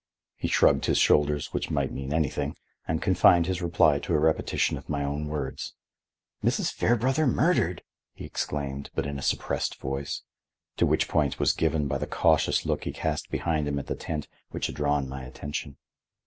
He shrugged his shoulders, which might mean anything, and confined his reply to a repetition of my own words. "Mrs. Fairbrother murdered!" he exclaimed, but in a suppressed voice, to which point was given by the cautious look he cast behind him at the tent which had drawn my attention.